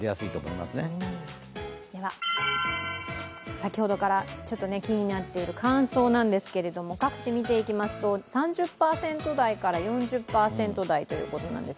先ほどから気になっている乾燥なんですけれども各地見ていきますと、３０％台から４０％台ということなんです。